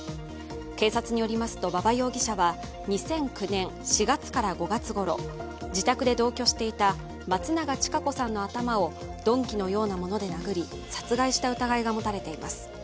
警察によりますと馬場容疑者は２００９年４月から５月ごろ自宅で同居していた松永千賀子さんの頭を鈍器のようなもので殴り殺害した疑いが持たれています。